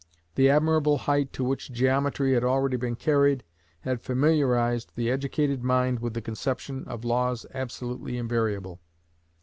The admirable height to which geometry had already been carried, had familiarized the educated mind with the conception of laws absolutely invariable.